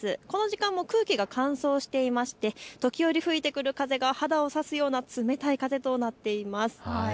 この時間も空気が乾燥していまして時折吹いてくる風が肌を刺すような冷たい風となっています。